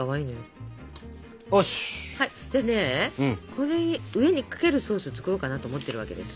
これに上にかけるソースを作ろうかなと思ってるわけです。